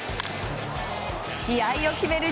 試合を決める